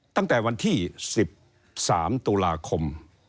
ตั้งแต่วันที่๑๓ตุลาคม